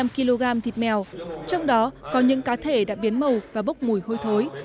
hai trăm linh kg thịt mèo trong đó có những cá thể đã biến màu và bốc mùi hôi thối